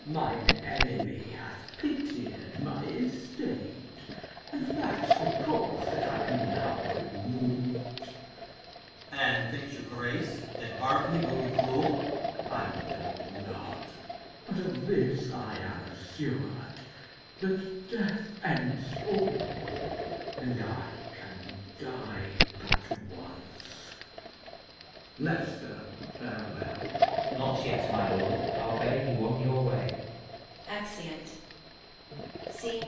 K. Edw. Mine enemy hath pitied my estate, And that's the cause that I am now remov'd. Berk. And thinks your grace that Berkeley will be cruel? K. Edw. I know not; but of this am I assur'd, That death ends all, and I can die but once. Leicester, farewell. Leices. Not yet, my lord; I'll bear you on your way.